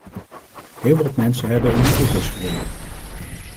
Heel wat mensen hebben in die auto's gereden.